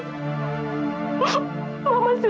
simpanlah uangnya desi